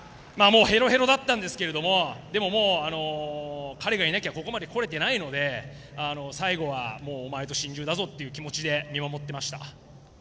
へろへろだったんですが彼がいなきゃここまでこれていないので最後はお前と心中だぞという気持ちで見守っていました。